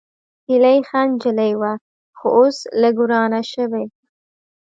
هېلۍ ښه نجلۍ وه، خو اوس لږ ورانه شوې